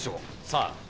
さあ。